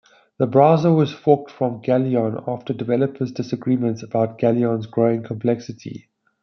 The browser was forked from Galeon, after developers' disagreements about Galeon's growing complexity.